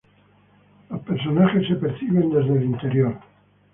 Los personajes son percibidos desde el interior.